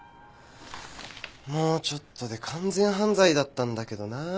もうちょっとで完全犯罪だったんだけどなあ。